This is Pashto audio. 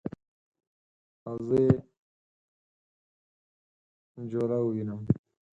او زه یې جوله ووینم